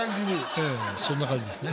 そんな感じですね